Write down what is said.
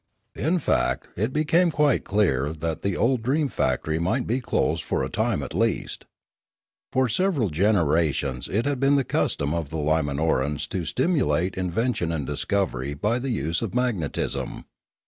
In fact it became quite clear that the old dream fac tory might be closed for a time at least. For several generations it had been the custom of the Limanorans to stimulate invention and discovery by the use of magnetism.